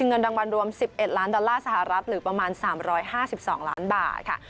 เงินรางวัลรวม๑๑ล้านดอลลาร์สหรัฐหรือประมาณ๓๕๒ล้านบาทค่ะ